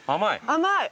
甘い！